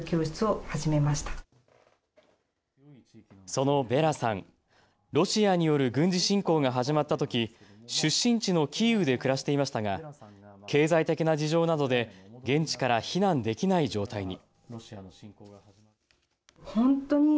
そのヴェラさん、ロシアによる軍事侵攻が始まったとき出身地のキーウで暮らしていましたが経済的な事情などで現地から避難できない状態に。